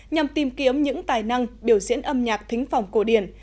nhằm tìm kiếm những tài năng biểu diễn âm nhạc thính phòng cổ điển